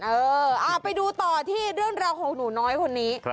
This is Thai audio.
เออเอาไปดูต่อที่เรื่องราวของหนูน้อยคนนี้